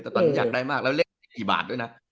แต่ตอนนี้อยากได้มากแล้วเลขกี่บาทด้วยนะ